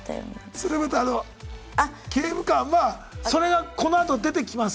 それまたあの刑務官はそれがこのあと出てきます。